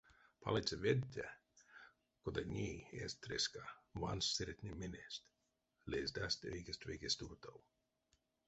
Палыця ведте, кода ней, эзть треска, вансть сыретнень мелест, лездасть вейкест-вейкест туртов.